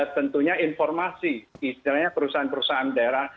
tentunya informasi istilahnya perusahaan perusahaan daerah